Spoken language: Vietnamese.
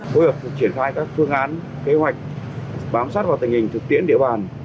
có hiệu phục triển khai các phương án kế hoạch bám sát vào tình hình thực tiễn địa bàn